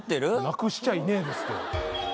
なくしちゃいねえですって。